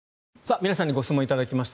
皆さんにご質問を頂きました。